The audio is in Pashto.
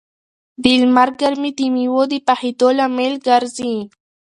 د لمر ګرمي د مېوو د پخېدو لامل ګرځي.